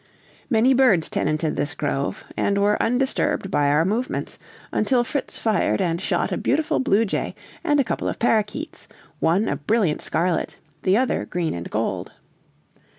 Many birds tenanted this grove, and were undisturbed by our movements, until Fritz fired and shot a beautiful bluejay and a couple of parroquets, one a brilliant scarlet, the other green and gold.